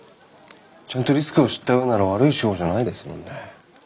ちゃんとリスクを知った上でなら悪い手法じゃないですもんね。